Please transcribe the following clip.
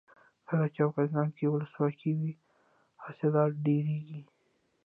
کله چې افغانستان کې ولسواکي وي حاصلات ډیریږي.